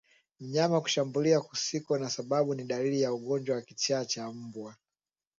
Mnyama kushambulia kusiko na sababu ni dalili ya ugonjwa wa kichaa cha mbwa